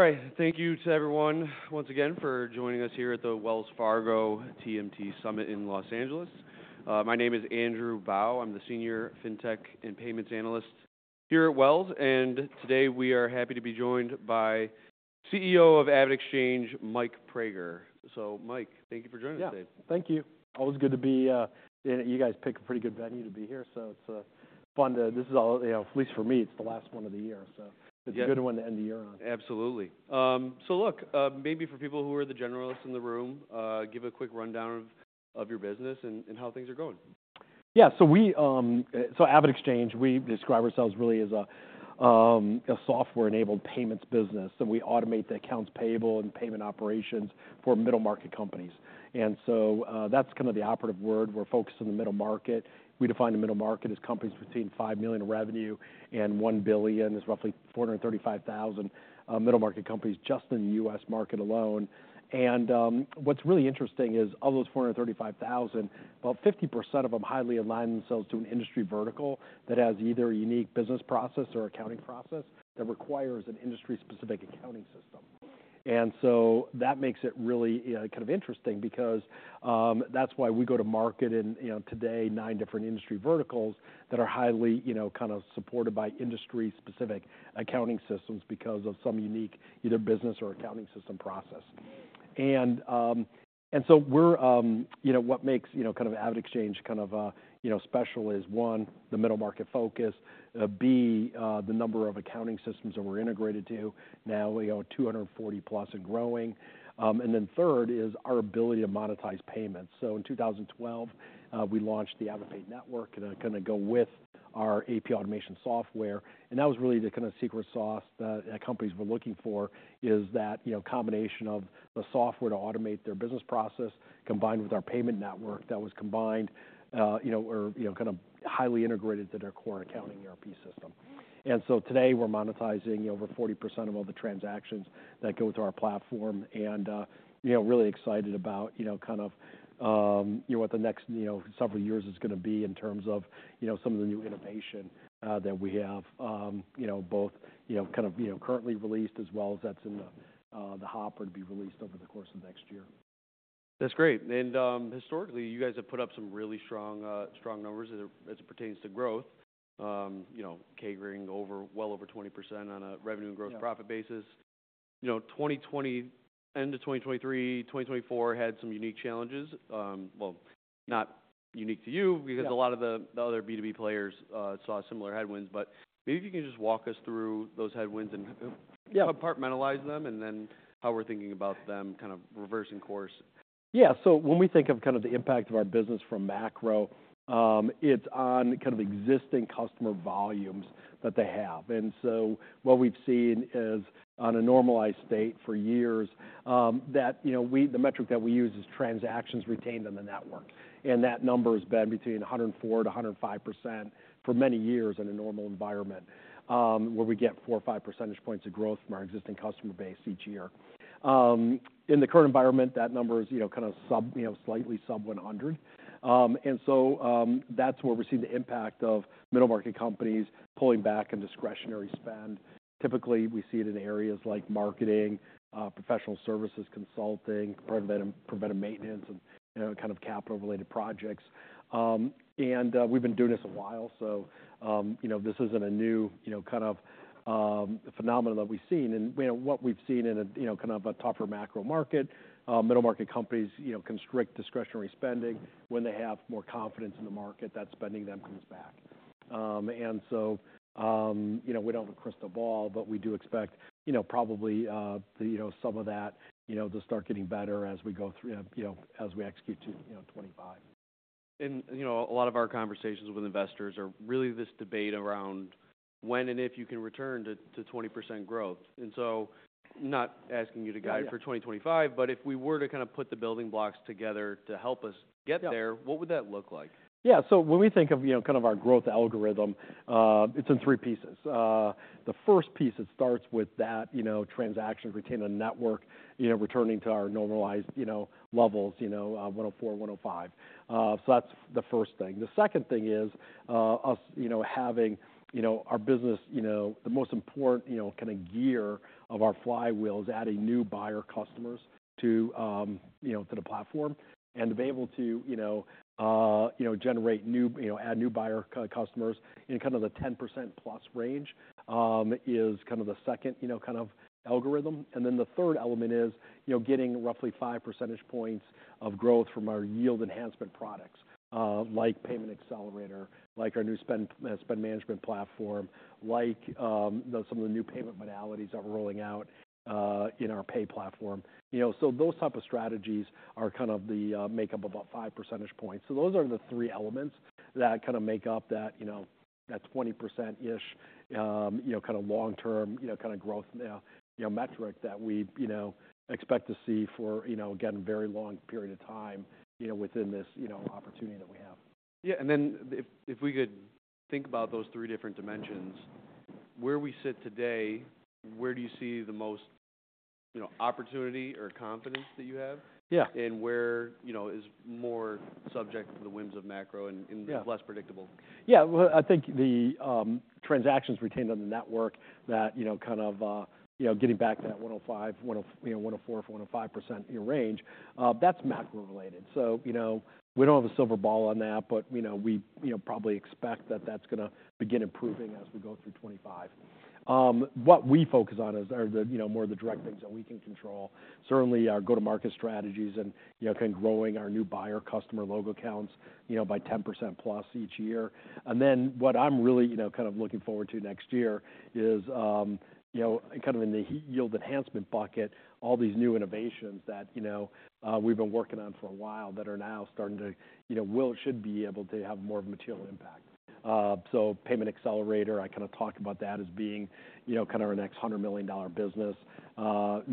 All right. Thank you to everyone once again for joining us here at the Wells Fargo TMT Summit in Los Angeles. My name is Andrew Bao. I'm the Senior FinTech and Payments Analyst here at Wells. And today we are happy to be joined by CEO of AvidXchange, Mike Praeger. So, Mike, thank you for joining us today. Yeah. Thank you. Always good to be here. You guys picked a pretty good venue to be here. So it's fun, too. This is all, you know, at least for me, it's the last one of the year. So it's a good one to end the year on. Absolutely. So look, maybe for people who are the generalists in the room, give a quick rundown of your business and how things are going. Yeah. So AvidXchange, we describe ourselves really as a software-enabled payments business. And we automate the accounts payable and payment operations for middle market companies. And so that's kind of the operative word. We're focused on the middle market. We define the middle market as companies between $5 million in revenue and $1 billion. That's roughly 435,000 middle market companies just in the U.S. market alone. And what's really interesting is, of those 435,000, about 50% of them highly align themselves to an industry vertical that has either a unique business process or accounting process that requires an industry-specific accounting system. And so that makes it really kind of interesting because that's why we go to market in, you know, today, nine different industry verticals that are highly, you know, kind of supported by industry-specific accounting systems because of some unique either business or accounting system process. And so we're, you know, what makes, you know, kind of AvidXchange kind of, you know, special is one, the middle market focus, two, the number of accounting systems that we're integrated to now. We are 240-plus and growing. And then third is our ability to monetize payments. So in 2012, we launched the AvidPay Network to kind of go with our AP automation software. And that was really the kind of secret sauce that companies were looking for, is that, you know, combination of the software to automate their business process combined with our payment network that was combined, you know, or, you know, kind of highly integrated to their core accounting ERP system. And so today we're monetizing over 40% of all the transactions that go through our platform. You know, really excited about, you know, kind of, you know, what the next, you know, several years is going to be in terms of, you know, some of the new innovation that we have, you know, both, you know, kind of, you know, currently released as well as that's in the hopper to be released over the course of the next year. That's great. And historically, you guys have put up some really strong, strong numbers as it pertains to growth, you know, growing well over 20% on a revenue and gross profit basis. You know, 2020, end of 2023, 2024 had some unique challenges. Well, not unique to you because a lot of the other B2B players saw similar headwinds. But maybe if you can just walk us through those headwinds and compartmentalize them and then how we're thinking about them kind of reversing course. Yeah, so when we think of kind of the impact of our business from macro, it's on kind of existing customer volumes that they have. And so what we've seen is, on a normalized state for years, that, you know, the metric that we use is transactions retained on the network. And that number has been between 104%-105% for many years in a normal environment where we get four or five percentage points of growth from our existing customer base each year. In the current environment, that number is, you know, kind of sub, you know, slightly sub 100. And so that's where we're seeing the impact of middle-market companies pulling back on discretionary spend. Typically, we see it in areas like marketing, professional services, consulting, preventive maintenance, and kind of capital-related projects, and we've been doing this a while. So, you know, this isn't a new, you know, kind of phenomenon that we've seen. And, you know, what we've seen in a, you know, kind of a tougher macro market, middle market companies, you know, constrict discretionary spending when they have more confidence in the market that spending then comes back. And so, you know, we don't have a crystal ball, but we do expect, you know, probably the, you know, some of that, you know, to start getting better as we go through, you know, as we execute to, you know, 2025. You know, a lot of our conversations with investors are really this debate around when and if you can return to 20% growth. So, not asking you to guide for 2025, but if we were to kind of put the building blocks together to help us get there, what would that look like? Yeah. So when we think of, you know, kind of our growth algorithm, it's in three pieces. The first piece, it starts with that, you know, transactions retain on network, you know, returning to our normalized, you know, levels, you know, 104%, 105%. So that's the first thing. The second thing is us, you know, having, you know, our business, you know, the most important, you know, kind of gear of our flywheel is adding new buyer customers to, you know, to the platform and to be able to, you know, you know, generate new, you know, add new buyer customers in kind of the 10% plus range is kind of the second, you know, kind of algorithm. And then the third element is, you know, getting roughly five percentage points of growth from our yield enhancement products like Payment Accelerator, like our new spend management platform, like some of the new payment modalities that we're rolling out in our pay platform. You know, so those type of strategies are kind of the makeup of about five percentage points. So those are the three elements that kind of make up that, you know, that 20%-ish, you know, kind of long-term, you know, kind of growth, you know, metric that we, you know, expect to see for, you know, again, a very long period of time, you know, within this, you know, opportunity that we have. Yeah. And then if we could think about those three different dimensions, where we sit today, where do you see the most, you know, opportunity or confidence that you have? Yeah. Where, you know, is more subject to the whims of macro and less predictable? Yeah. Well, I think the transactions retained on the network that, you know, kind of, you know, getting back to that 105%, you know, 104% for 105%, you know, range, that's macro-related. So, you know, we don't have a crystal ball on that, but, you know, we, you know, probably expect that that's going to begin improving as we go through 2025. What we focus on are the, you know, more of the direct things that we can control. Certainly our go-to-market strategies and, you know, kind of growing our new buyer customer logo counts, you know, by 10% plus each year. Then what I'm really, you know, kind of looking forward to next year is, you know, kind of in the yield enhancement bucket, all these new innovations that, you know, we've been working on for a while that are now starting to, you know, will, should be able to have more of a material impact. Payment Accelerator, I kind of talk about that as being, you know, kind of our next $100 million business.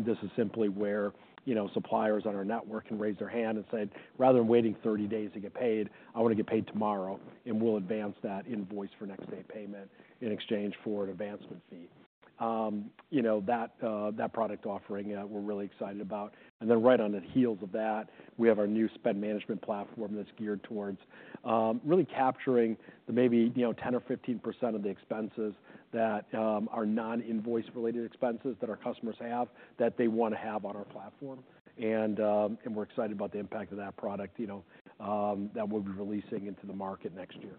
This is simply where, you know, suppliers on our network can raise their hand and say, "Rather than waiting 30 days to get paid, I want to get paid tomorrow and we'll advance that invoice for next-day payment in exchange for an advancement fee." You know, that product offering we're really excited about. Right on the heels of that, we have our new spend management platform that's geared towards really capturing maybe, you know, 10% or 15% of the expenses that are non-invoice-related expenses that our customers have that they want to have on our platform. We're excited about the impact of that product, you know, that we'll be releasing into the market next year.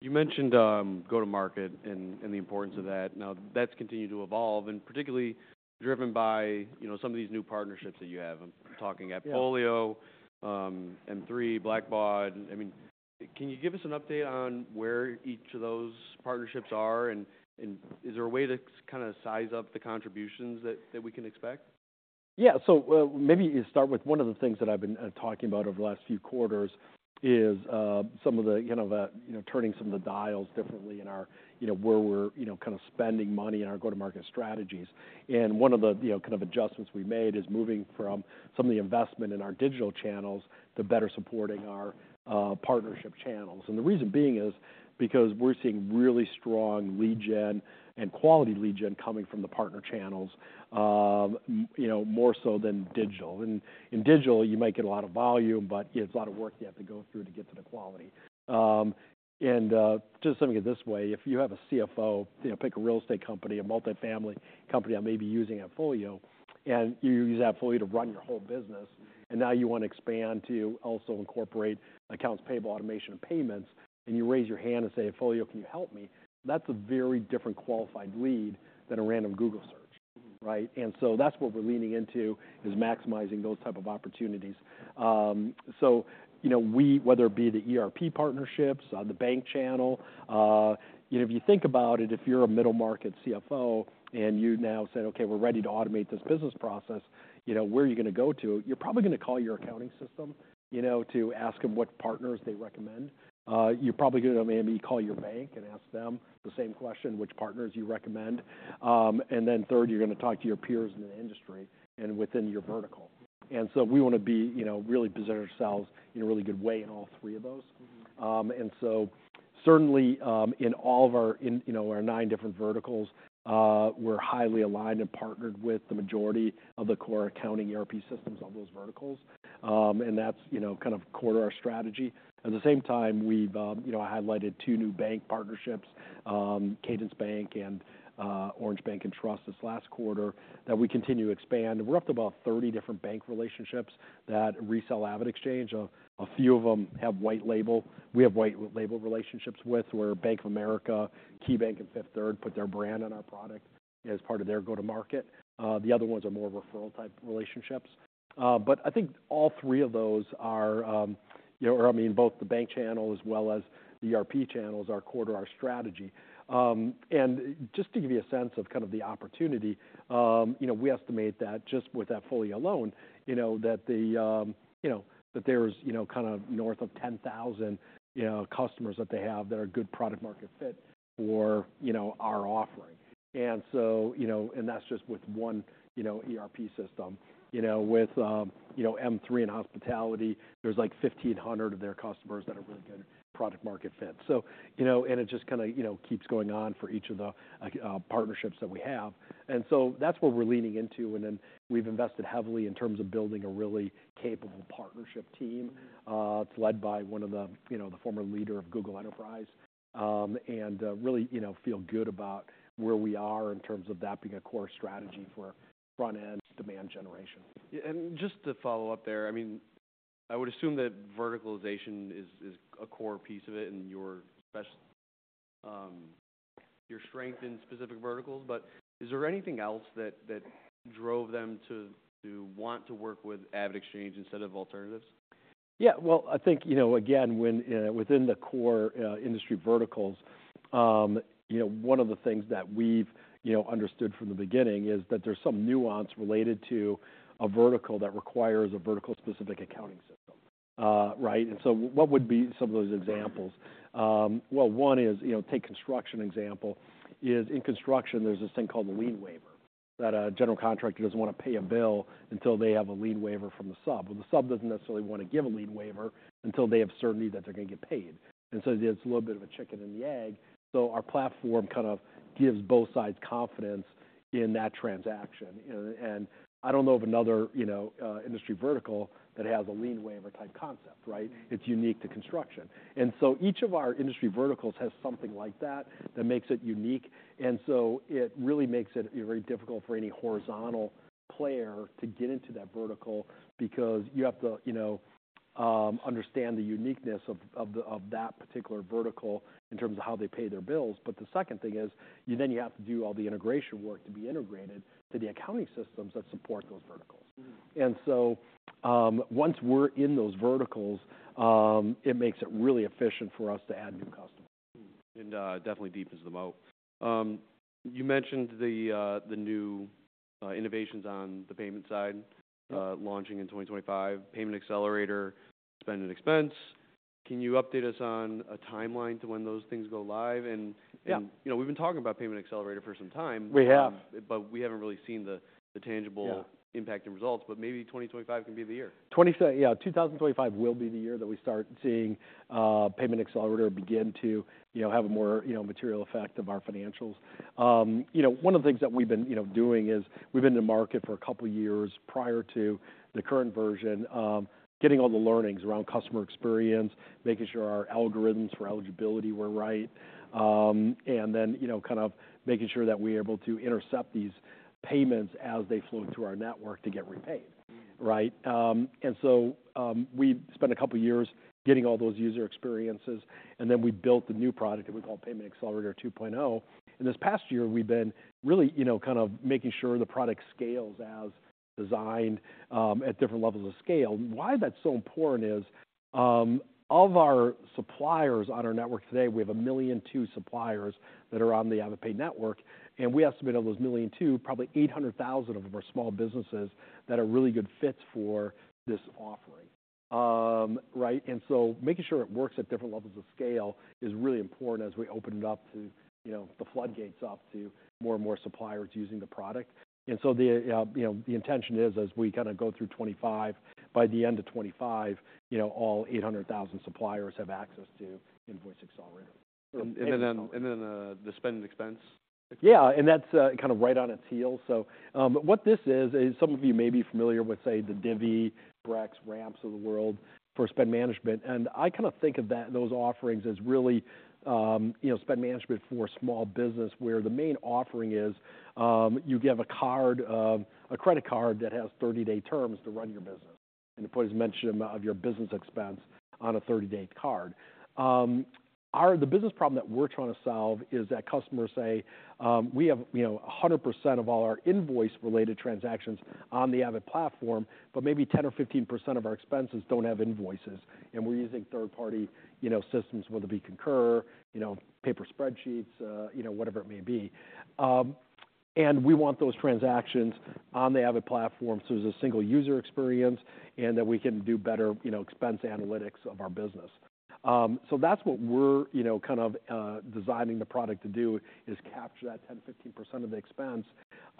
You mentioned go-to-market and the importance of that. Now that's continued to evolve and particularly driven by, you know, some of these new partnerships that you have. I'm talking AppFolio, M3, Blackbaud. I mean, can you give us an update on where each of those partnerships are? And is there a way to kind of size up the contributions that we can expect? Yeah. So maybe you start with one of the things that I've been talking about over the last few quarters is some of the kind of, you know, turning some of the dials differently in our, you know, where we're, you know, kind of spending money in our go-to-market strategies. And one of the, you know, kind of adjustments we made is moving from some of the investment in our digital channels to better supporting our partnership channels. And the reason being is because we're seeing really strong lead gen and quality lead gen coming from the partner channels, you know, more so than digital. And in digital, you might get a lot of volume, but it's a lot of work you have to go through to get to the quality. And just to sum it up this way, if you have a CFO, you know, pick a real estate company, a multifamily company that may be using AppFolio, and you use AppFolio to run your whole business, and now you want to expand to also incorporate accounts payable automation and payments, and you raise your hand and say, "AppFolio, can you help me?" That's a very different qualified lead than a random Google search, right? And so that's what we're leaning into is maximizing those type of opportunities. So, you know, we, whether it be the ERP partnerships, the bank channel, you know, if you think about it, if you're a middle market CFO and you now said, "Okay, we're ready to automate this business process," you know, where are you going to go to? You're probably going to call your accounting system, you know, to ask them what partners they recommend. You're probably going to maybe call your bank and ask them the same question, which partners you recommend. And then third, you're going to talk to your peers in the industry and within your vertical. And so we want to be, you know, really position ourselves in a really good way in all three of those. And so certainly in all of our, you know, our nine different verticals, we're highly aligned and partnered with the majority of the core accounting ERP systems on those verticals. And that's, you know, kind of core to our strategy. At the same time, we've, you know, highlighted two new bank partnerships, Cadence Bank and Orange Bank and Trust, this last quarter that we continue to expand. We're up to about 30 different bank relationships that resell AvidXchange. A few of them have white label. We have white label relationships with where Bank of America, KeyBank, and Fifth Third put their brand on our product as part of their go-to-market. The other ones are more referral-type relationships. But I think all three of those are, you know, or I mean, both the bank channel as well as the ERP channels are core to our strategy. And just to give you a sense of kind of the opportunity, you know, we estimate that just with AppFolio alone, you know, that there's, you know, kind of north of 10,000, you know, customers that they have that are good product-market fit for, you know, our offering. And so, you know, and that's just with one, you know, ERP system. You know, with, you know, M3 and Hospitality, there's like 1,500 of their customers that are really good product-market fit. So, you know, and it just kind of, you know, keeps going on for each of the partnerships that we have. And so that's what we're leaning into. And then we've invested heavily in terms of building a really capable partnership team. It's led by one of the, you know, the former leader of Google Enterprise. And really, you know, feel good about where we are in terms of that being a core strategy for front-end demand generation. And just to follow up there, I mean, I would assume that verticalization is a core piece of it and your strength in specific verticals, but is there anything else that drove them to want to work with AvidXchange instead of alternatives? Yeah. Well, I think, you know, again, when within the core industry verticals, you know, one of the things that we've, you know, understood from the beginning is that there's some nuance related to a vertical that requires a vertical-specific accounting system, right? And so what would be some of those examples? Well, one is, you know, take construction example. In construction, there's this thing called the lien waiver that a general contractor doesn't want to pay a bill until they have a lien waiver from the sub. Well, the sub doesn't necessarily want to give a lien waiver until they have certainty that they're going to get paid. And so it's a little bit of a chicken and the egg. So our platform kind of gives both sides confidence in that transaction. And I don't know of another, you know, industry vertical that has a lien waiver type concept, right? It's unique to construction. And so each of our industry verticals has something like that that makes it unique. And so it really makes it very difficult for any horizontal player to get into that vertical because you have to, you know, understand the uniqueness of that particular vertical in terms of how they pay their bills. But the second thing is then you have to do all the integration work to be integrated to the accounting systems that support those verticals. And so once we're in those verticals, it makes it really efficient for us to add new customers. Definitely deepens the moat. You mentioned the new innovations on the payment side launching in 2025, Payment Accelerator, Spend and Expense. Can you update us on a timeline to when those things go live? You know, we've been talking about Payment Accelerator for some time. We have. But we haven't really seen the tangible impact and results, but maybe 2025 can be the year. Yeah. 2025 will be the year that we start seeing Payment Accelerator begin to, you know, have a more, you know, material effect of our financials. You know, one of the things that we've been, you know, doing is we've been in the market for a couple of years prior to the current version, getting all the learnings around customer experience, making sure our algorithms for eligibility were right, and then, you know, kind of making sure that we are able to intercept these payments as they flow through our network to get repaid, right? And so we spent a couple of years getting all those user experiences, and then we built the new product that we call Payment Accelerator 2.0. And this past year, we've been really, you know, kind of making sure the product scales as designed at different levels of scale. Why that's so important is of our suppliers on our network today, we have a million two suppliers that are on the AvidPay Network, and we estimate of those million two, probably 800,000 of them are small businesses that are really good fits for this offering, right? And so making sure it works at different levels of scale is really important as we open it up to, you know, the floodgates up to more and more suppliers using the product. And so the, you know, the intention is as we kind of go through 2025, by the end of 2025, you know, all 800,000 suppliers have access to Invoice Accelerator. And then the Spend & Expense. Yeah. And that's kind of right on its heels. So what this is, some of you may be familiar with, say, the Divvy, Brex, Ramp of the world for spend management. And I kind of think of those offerings as really, you know, spend management for a small business where the main offering is you give a card, a credit card that has 30-day terms to run your business and to put as much of your business expense on a 30-day card. The business problem that we're trying to solve is that customers say, "We have, you know, 100% of all our invoice-related transactions on the Avid platform, but maybe 10% or 15% of our expenses don't have invoices." And we're using third-party, you know, systems, whether it be Concur, you know, paper spreadsheets, you know, whatever it may be. We want those transactions on the Avid platform so there's a single user experience and that we can do better, you know, expense analytics of our business. So that's what we're, you know, kind of designing the product to do is capture that 10%-15% of the expense.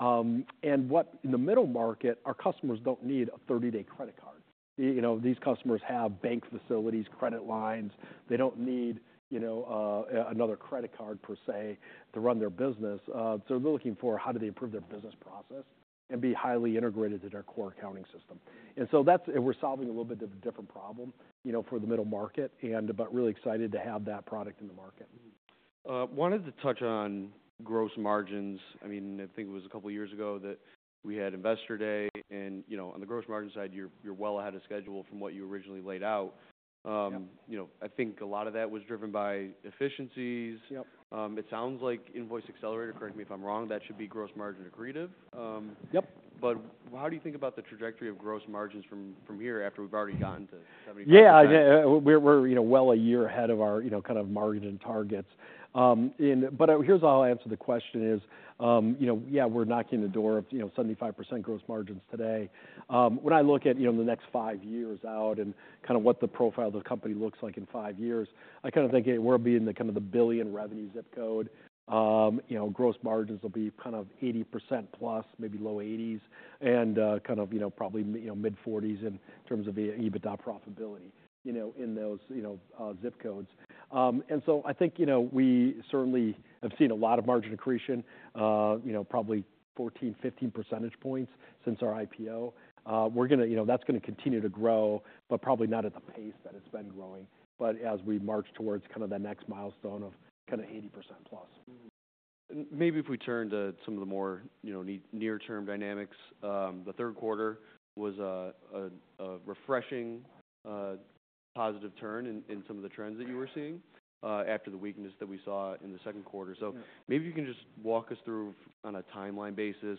And in the middle market, our customers don't need a 30-day credit card. You know, these customers have bank facilities, credit lines. They don't need, you know, another credit card per se to run their business. So they're looking for how do they improve their business process and be highly integrated to their core accounting system. And so that's, we're solving a little bit of a different problem, you know, for the middle market, but really excited to have that product in the market. Wanted to touch on gross margins. I mean, I think it was a couple of years ago that we had Investor Day and, you know, on the gross margin side, you're well ahead of schedule from what you originally laid out. You know, I think a lot of that was driven by efficiencies. It sounds like Invoice Accelerator, correct me if I'm wrong, that should be gross margin accretive. But how do you think about the trajectory of gross margins from here after we've already gotten to 75%? Yeah. We're, you know, well a year ahead of our, you know, kind of margin targets. But here's how I'll answer the question is, you know, yeah, we're knocking on the door of, you know, 75% gross margins today. When I look at, you know, the next five years out and kind of what the profile of the company looks like in five years, I kind of think we'll be in the kind of the billion revenue zip code. You know, gross margins will be kind of 80% plus, maybe low 80s, and kind of, you know, probably, you know, mid-40s in terms of EBITDA profitability, you know, in those, you know, zip codes. And so I think, you know, we certainly have seen a lot of margin accretion, you know, probably 14-15 percentage points since our IPO. We're going to, you know, that's going to continue to grow, but probably not at the pace that it's been growing, but as we march towards kind of the next milestone of kind of 80% plus. Maybe if we turn to some of the more, you know, near-term dynamics, the third quarter was a refreshing positive turn in some of the trends that you were seeing after the weakness that we saw in the second quarter. So maybe you can just walk us through on a timeline basis,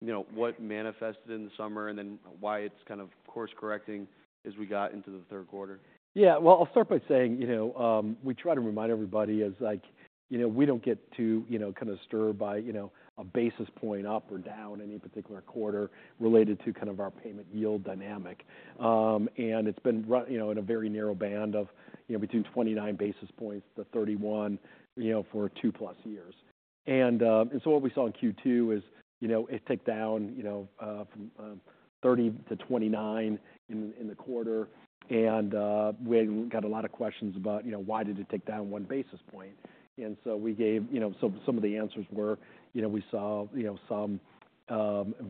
you know, what manifested in the summer and then why it's kind of course correcting as we got into the third quarter. Yeah. Well, I'll start by saying, you know, we try to remind everybody as like, you know, we don't get to, you know, kind of stir by, you know, a basis point up or down any particular quarter related to kind of our payment yield dynamic. And it's been, you know, in a very narrow band of, you know, between 29 basis points to 31, you know, for two plus years. And so what we saw in Q2 is, you know, it took down, you know, from 30 to 29 in the quarter. And we got a lot of questions about, you know, why did it take down one basis point? And so we gave, you know, some of the answers were, you know, we saw, you know, some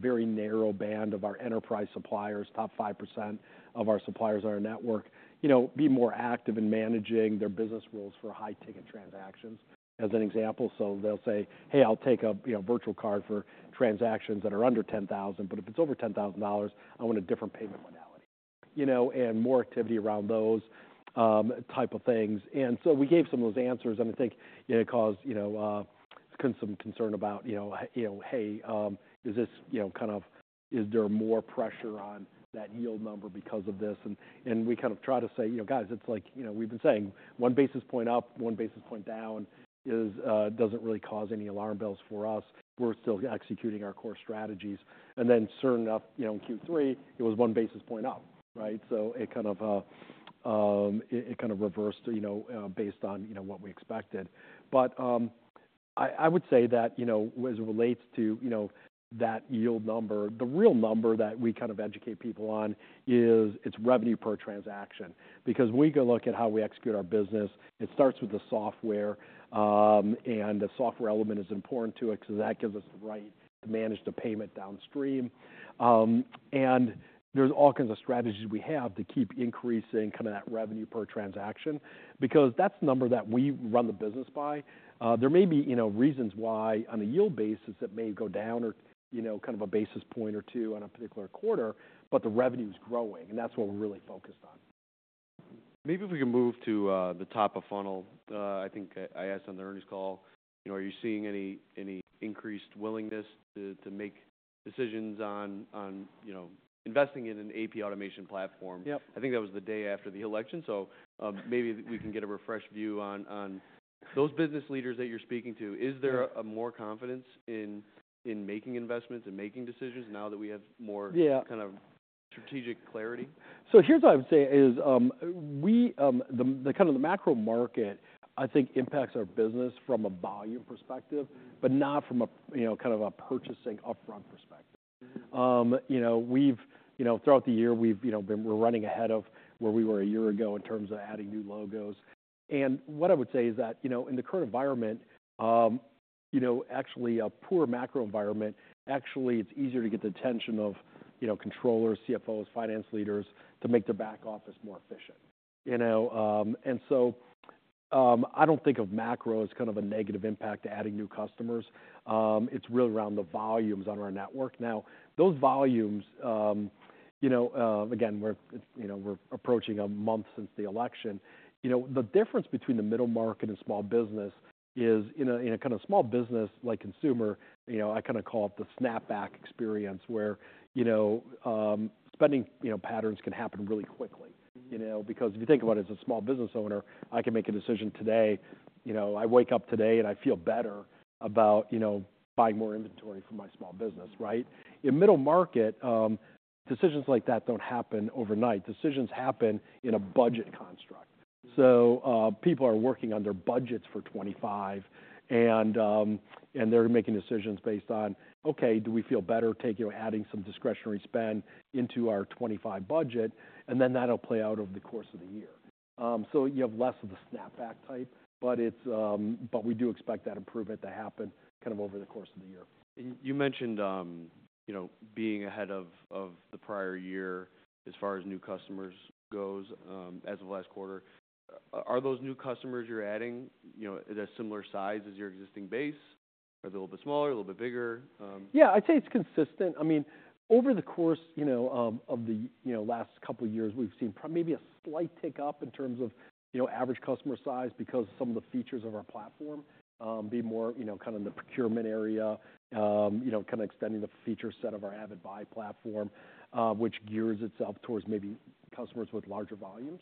very narrow band of our enterprise suppliers, top 5% of our suppliers on our network, you know, be more active in managing their business rules for high-ticket transactions as an example. So they'll say, "Hey, I'll take a, you know, virtual card for transactions that are under $10,000, but if it's over $10,000, I want a different payment modality," you know, and more activity around those type of things. And so we gave some of those answers. And I think, you know, it caused, you know, some concern about, you know, hey, is this, you know, kind of, is there more pressure on that yield number because of this? We kind of try to say, you know, guys, it's like, you know, we've been saying one basis point up, one basis point down doesn't really cause any alarm bells for us. We're still executing our core strategies. And then sure enough, you know, in Q3, it was one basis point up, right? So it kind of, it kind of reversed, you know, based on, you know, what we expected. But I would say that, you know, as it relates to, you know, that yield number, the real number that we kind of educate people on is it's revenue per transaction because when we go look at how we execute our business, it starts with the software, and the software element is important to it because that gives us the right to manage the payment downstream. There's all kinds of strategies we have to keep increasing kind of that revenue per transaction because that's the number that we run the business by. There may be, you know, reasons why on a yield basis it may go down or, you know, kind of a basis point or two on a particular quarter, but the revenue is growing, and that's what we're really focused on. Maybe if we can move to the top of funnel. I think I asked on the earnings call, you know, are you seeing any increased willingness to make decisions on, you know, investing in an AP automation platform? I think that was the day after the election. So maybe we can get a refreshed view on those business leaders that you're speaking to. Is there more confidence in making investments and making decisions now that we have more kind of strategic clarity? So here's what I would say is the kind of the macro market, I think, impacts our business from a volume perspective, but not from a, you know, kind of a purchasing upfront perspective. You know, throughout the year, we've been running ahead of where we were a year ago in terms of adding new logos. And what I would say is that, you know, in the current environment, you know, actually a poor macro environment, actually it's easier to get the attention of, you know, controllers, CFOs, finance leaders to make their back office more efficient, you know? And so I don't think of macro as kind of a negative impact to adding new customers. It's really around the volumes on our network. Now, those volumes, you know, again, we're approaching a month since the election. You know, the difference between the middle market and small business is in a kind of small business like consumer. You know, I kind of call it the snapback experience where, you know, spending, you know, patterns can happen really quickly, you know, because if you think about it as a small business owner, I can make a decision today. You know, I wake up today and I feel better about, you know, buying more inventory for my small business, right? In middle market, decisions like that don't happen overnight. Decisions happen in a budget construct. So people are working on their budgets for 2025, and they're making decisions based on, okay, do we feel better taking or adding some discretionary spend into our 2025 budget, and then that'll play out over the course of the year. So you have less of the snapback type, but we do expect that improvement to happen kind of over the course of the year. You mentioned, you know, being ahead of the prior year as far as new customers goes as of last quarter. Are those new customers you're adding, you know, at a similar size as your existing base? Are they a little bit smaller, a little bit bigger? Yeah. I'd say it's consistent. I mean, over the course, you know, of the, you know, last couple of years, we've seen maybe a slight tick up in terms of, you know, average customer size because some of the features of our platform be more, you know, kind of in the procurement area, you know, kind of extending the feature set of our AvidBuy platform, which gears itself towards maybe customers with larger volumes.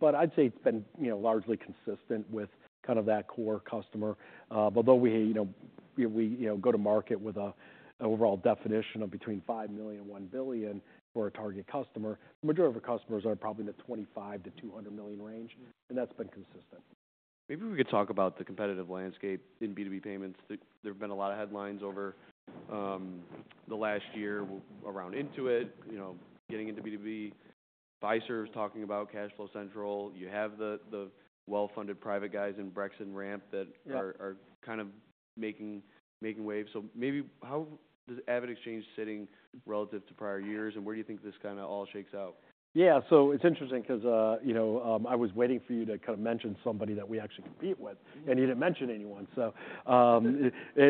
But I'd say it's been, you know, largely consistent with kind of that core customer. Although we, you know, go to market with an overall definition of between $5 million and $1 billion for a target customer, the majority of our customers are probably in the $25 million-$200 million range, and that's been consistent. Maybe we could talk about the competitive landscape in B2B payments. There have been a lot of headlines over the last year around Intuit, you know, getting into B2B. Fiserv is talking about CashFlow Central. You have the well-funded private guys in Brex and Ramp that are kind of making waves. So maybe how does AvidXchange sit relative to prior years, and where do you think this kind of all shakes out? Yeah, so it's interesting because, you know, I was waiting for you to kind of mention somebody that we actually compete with, and you didn't mention anyone, so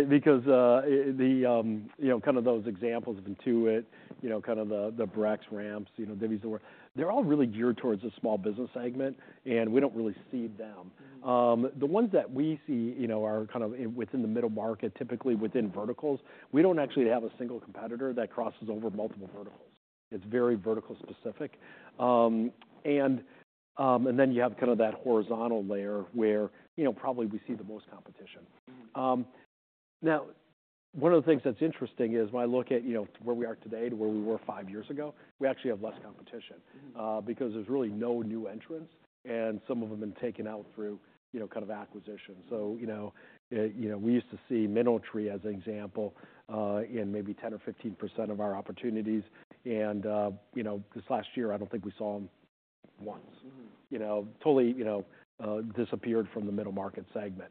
because the, you know, kind of those examples of Intuit, you know, kind of the Brex, Ramp, you know, Divvy's the word, they're all really geared towards a small business segment, and we don't really see them. The ones that we see, you know, are kind of within the middle market, typically within verticals. We don't actually have a single competitor that crosses over multiple verticals. It's very vertical specific, and then you have kind of that horizontal layer where, you know, probably we see the most competition. Now, one of the things that's interesting is when I look at, you know, where we are today to where we were five years ago, we actually have less competition because there's really no new entrants, and some of them have been taken out through, you know, kind of acquisition. So, you know, you know, we used to see MineralTree as an example in maybe 10% or 15% of our opportunities. And, you know, this last year, I don't think we saw them once, you know, totally, you know, disappeared from the middle market segment.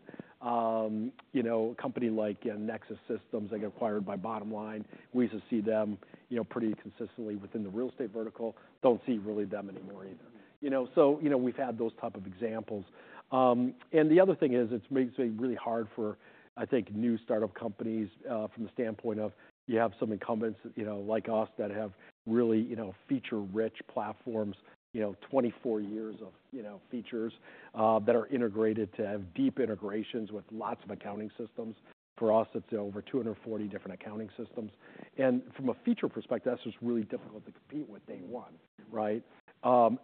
You know, a company like Nexus Systems that got acquired by Bottomline, we used to see them, you know, pretty consistently within the real estate vertical. Don't see really them anymore either, you know? So, you know, we've had those type of examples. The other thing is it's made it really hard for, I think, new startup companies from the standpoint of you have some incumbents, you know, like us that have really, you know, feature-rich platforms, you know, 24 years of, you know, features that are integrated to have deep integrations with lots of accounting systems. For us, it's over 240 different accounting systems. From a feature perspective, that's just really difficult to compete with day one, right?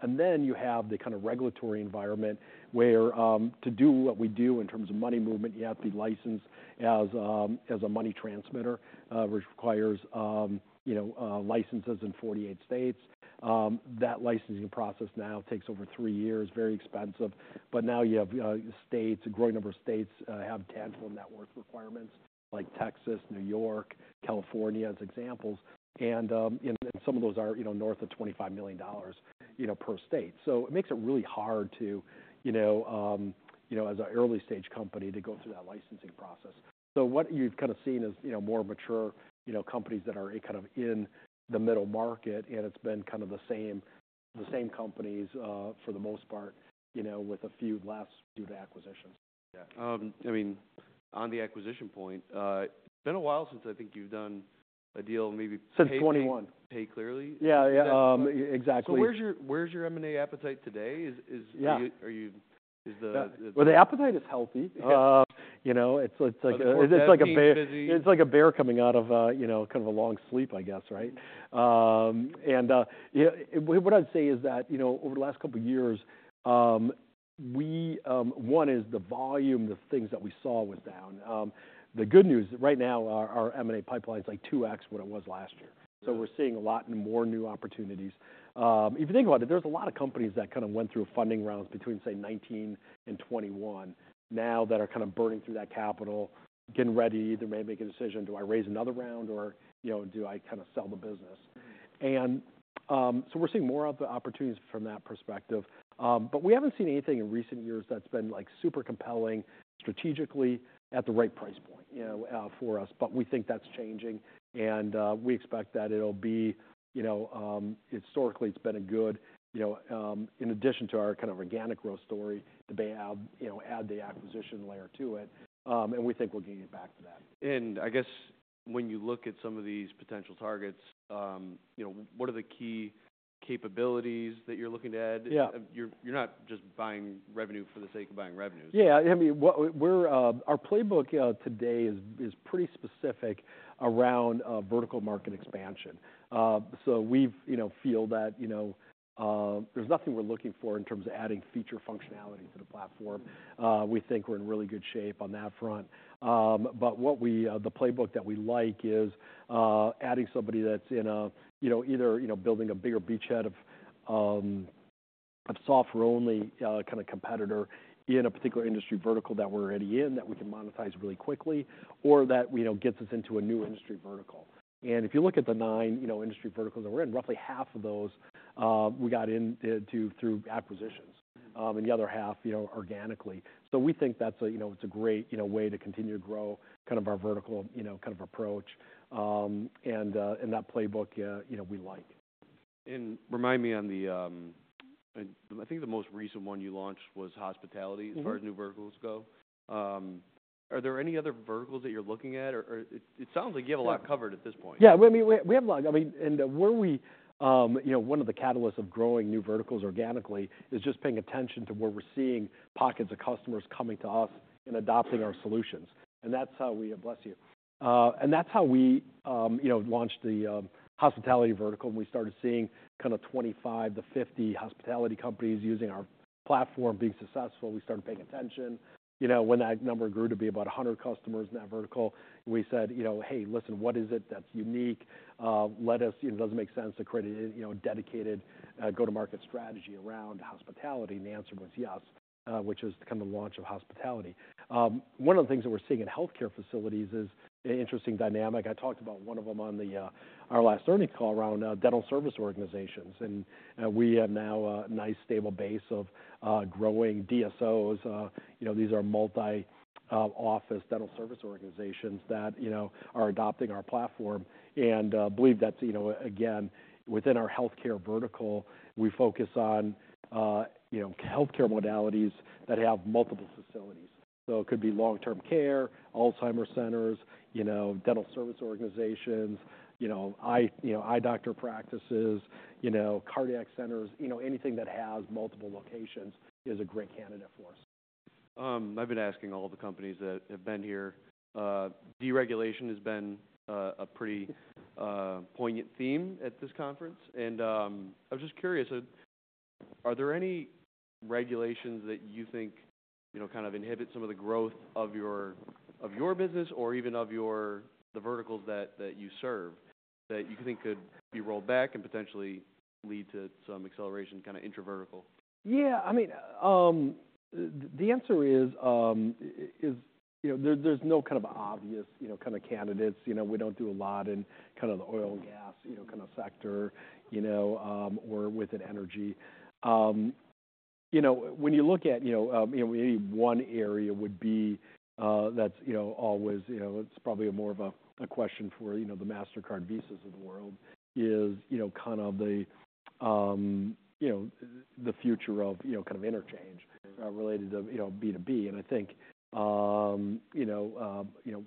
Then you have the kind of regulatory environment where to do what we do in terms of money movement, you have to be licensed as a money transmitter, which requires, you know, licenses in 48 states. That licensing process now takes over three years, very expensive. Now you have states, a growing number of states have tangible net worth requirements like Texas, New York, California as examples. And some of those are, you know, north of $25 million, you know, per state. So it makes it really hard to, you know, you know, as an early stage company to go through that licensing process. So what you've kind of seen is, you know, more mature, you know, companies that are kind of in the middle market, and it's been kind of the same, the same companies for the most part, you know, with a few less due to acquisitions. Yeah. I mean, on the acquisition point, it's been a while since I think you've done a deal maybe. Since 2021. Pay clearly. Yeah. Yeah. Exactly. So where's your M&A appetite today? Are you. Yeah. Is the. The appetite is healthy. You know, it's like a bear. It's like a bear coming out of, you know, kind of a long sleep, I guess, right? And what I'd say is that, you know, over the last couple of years, we, one is the volume of things that we saw was down. The good news right now, our M&A pipeline is like 2x what it was last year. So we're seeing a lot more new opportunities. If you think about it, there's a lot of companies that kind of went through funding rounds between, say, 2019 and 2021 now that are kind of burning through that capital, getting ready. They may make a decision, do I raise another round or, you know, do I kind of sell the business? And so we're seeing more of the opportunities from that perspective. But we haven't seen anything in recent years that's been like super compelling strategically at the right price point, you know, for us. But we think that's changing, and we expect that it'll be, you know, historically it's been a good, you know, in addition to our kind of organic growth story, the, you know, add the acquisition layer to it. And we think we're getting it back to that. And I guess when you look at some of these potential targets, you know, what are the key capabilities that you're looking to add? Yeah. You're not just buying revenue for the sake of buying revenues. Yeah. I mean, our playbook today is pretty specific around vertical market expansion. So, you know, we feel that, you know, there's nothing we're looking for in terms of adding feature functionality to the platform. We think we're in really good shape on that front. But the playbook that we like is adding somebody that's in a, you know, either, you know, building a bigger beachhead of software-only kind of competitor in a particular industry vertical that we're already in that we can monetize really quickly or that, you know, gets us into a new industry vertical. And if you look at the nine, you know, industry verticals that we're in, roughly half of those we got into through acquisitions and the other half, you know, organically. So we think that's, you know, it's a great, you know, way to continue to grow kind of our vertical, you know, kind of approach. And that playbook, you know, we like. Remind me on the. I think the most recent one you launched was hospitality as far as new verticals go. Are there any other verticals that you're looking at? It sounds like you have a lot covered at this point. Yeah. I mean, we have a lot. I mean, and where we, you know, one of the catalysts of growing new verticals organically is just paying attention to where we're seeing pockets of customers coming to us and adopting our solutions. And that's how we, bless you. And that's how we, you know, launched the hospitality vertical. And we started seeing kind of 25-50 hospitality companies using our platform being successful. We started paying attention. You know, when that number grew to be about 100 customers in that vertical, we said, you know, hey, listen, what is it that's unique? Let us, you know, does it make sense to create a, you know, dedicated go-to-market strategy around hospitality? And the answer was yes, which was kind of the launch of hospitality. One of the things that we're seeing in healthcare facilities is an interesting dynamic. I talked about one of them on our last earnings call around dental service organizations, and we have now a nice stable base of growing DSOs. You know, these are multi-office dental service organizations that, you know, are adopting our platform, and I believe that's, you know, again, within our healthcare vertical, we focus on, you know, healthcare modalities that have multiple facilities, so it could be long-term care, Alzheimer's centers, you know, dental service organizations, you know, eye doctor practices, you know, cardiac centers, you know, anything that has multiple locations is a great candidate for us. I've been asking all the companies that have been here. Deregulation has been a pretty poignant theme at this conference, and I was just curious, are there any regulations that you think, you know, kind of inhibit some of the growth of your business or even of your, the verticals that you serve that you think could be rolled back and potentially lead to some acceleration kind of intravertical? Yeah. I mean, the answer is, you know, there's no kind of obvious, you know, kind of candidates. You know, we don't do a lot in kind of the oil and gas, you know, kind of sector, you know, or within energy. You know, when you look at, you know, you know, maybe one area would be that's, you know, always, you know, it's probably more of a question for, you know, the Mastercard Visa of the world is, you know, kind of the, you know, the future of, you know, kind of interchange related to, you know, B2B. And I think, you know, you know,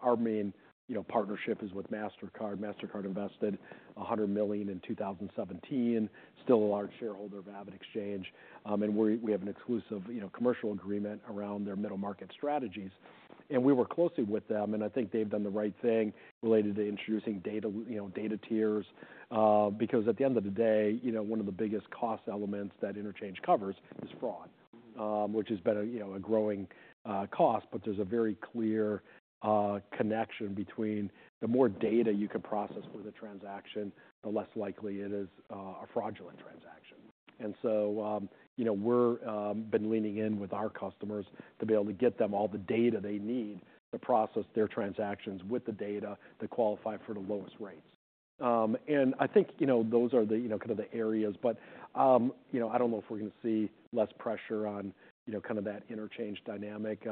our main, you know, partnership is with Mastercard. Mastercard invested $100 million in 2017, still a large shareholder of AvidXchange. And we have an exclusive, you know, commercial agreement around their middle market strategies. And we work closely with them. And I think they've done the right thing related to introducing data, you know, data tiers because at the end of the day, you know, one of the biggest cost elements that interchange covers is fraud, which has been a, you know, a growing cost. But there's a very clear connection between the more data you can process with a transaction, the less likely it is a fraudulent transaction. And so, you know, we've been leaning in with our customers to be able to get them all the data they need to process their transactions with the data that qualify for the lowest rates. And I think, you know, those are the, you know, kind of the areas. But, you know, I don't know if we're going to see less pressure on, you know, kind of that interchange dynamic.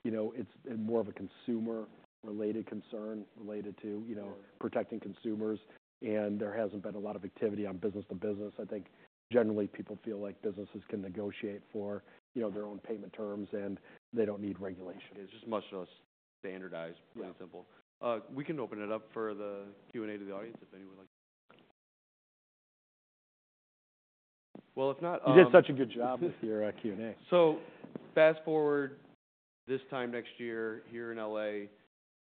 You know, typically, you know, you know, it's more of a consumer-related concern related to, you know, protecting consumers. And there hasn't been a lot of activity on business to business. I think generally people feel like businesses can negotiate for, you know, their own payment terms and they don't need regulation. It's just much less standardized, plain and simple. We can open it up for the Q&A to the audience if anyone would like to. Well, if not. You did such a good job with your Q&A. So fast forward this time next year here in LA,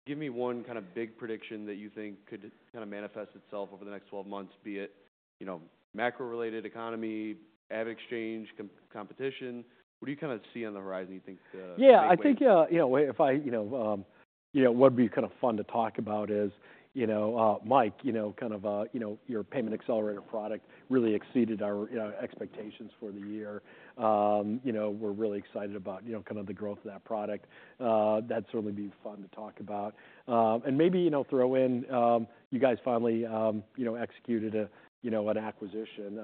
give me one kind of big prediction that you think could kind of manifest itself over the next 12 months, be it, you know, macro-related economy, AvidXchange competition. What do you kind of see on the horizon you think? Yeah. I think, you know, what would be kind of fun to talk about is, you know, Mike, you know, kind of, you know, your Payment Accelerator product really exceeded our expectations for the year. You know, we're really excited about, you know, kind of the growth of that product. That'd certainly be fun to talk about. And maybe, you know, throw in you guys finally, you know, executed a, you know, an acquisition,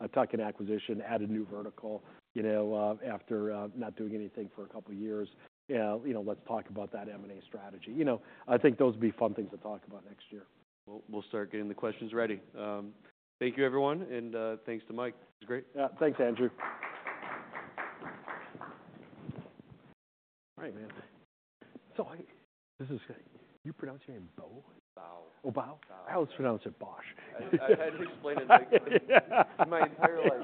a tuck-in acquisition, added new vertical, you know, after not doing anything for a couple of years. You know, let's talk about that M&A strategy. You know, I think those would be fun things to talk about next year. We'll start getting the questions ready. Thank you, everyone, and thanks to Mike. It was great. Yeah. Thanks, Andrew. All right, man. So this is, you pronounce your name Bo? Bao. Oh, Bao? Bao. I always pronounce it "Bosh". I had to explain it to my entire.